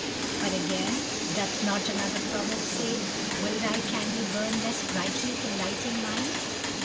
But again, doth not another proverb say, "Will thy candle burn less brightly for lighting mine?"